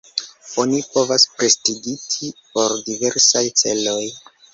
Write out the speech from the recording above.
Oni povas prestidigiti por diversaj celoj.